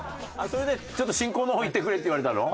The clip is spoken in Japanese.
それでちょっと進行の方行ってくれって言われたの？